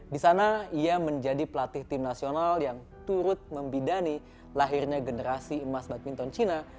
di sana ia menjadi pelatih tim nasional yang turut membidani lahirnya generasi emas badminton cina